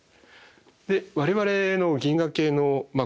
我々の銀河系のまあ